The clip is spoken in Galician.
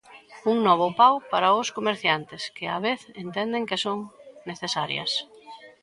Un novo pau para os comerciantes, que á vez entenden que son necesarias.